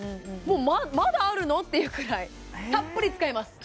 まだあるの！？っていうくらいたっぷり使えます